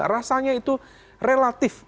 rasanya itu relatif